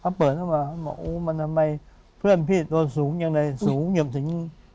เขาเปิดเข้ามาบอกโอ้มันทำไมเพื่อนพี่ตัวสูงยังไงสูงอย่างถึง